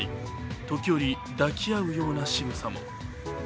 時折、抱き合うようなしぐさも。